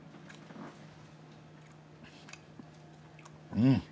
うん！